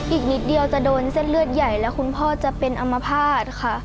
อีกนิดเดียวจะโดนเส้นเลือดใหญ่แล้วคุณพ่อจะเป็นอมภาษณ์ค่ะ